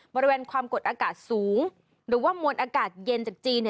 บริเวณความกดอากาศสูงหรือว่ามวลอากาศเย็นจากจีน